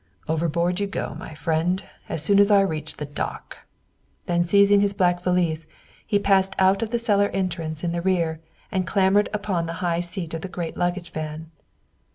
"Overboard you go, my friend, as soon as I reach the dock." Then seizing his black valise, he passed out of the cellar entrance in the rear and clambered upon the high seat of the great luggage van.